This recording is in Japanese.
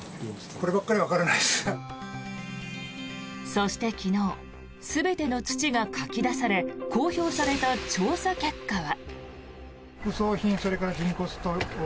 そして昨日全ての土がかき出され公表された調査結果は。